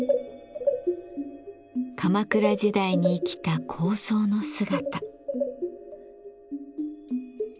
鎌倉時代に生きた高僧の姿。